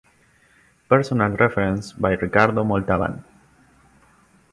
Personal Reference by Ricardo Montalbán